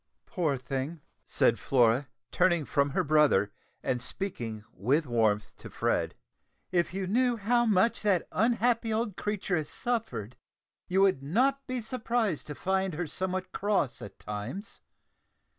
"Poor thing," said Flora, turning from her brother, and speaking with warmth to Fred; "if you knew how much that unhappy old creature has suffered, you would not be surprised to find her somewhat cross at times.